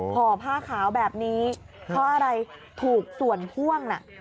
ห่อผ้าขาวแบบนี้เพราะอะไรถูกส่วนพ่วงน่ะ